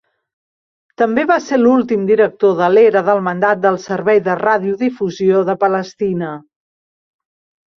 També va ser l'últim director de l'era del mandat del Servei de Radiodifusió de Palestina.